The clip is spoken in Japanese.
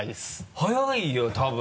速いよ多分。